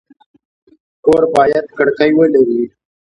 کور باید کړکۍ ولري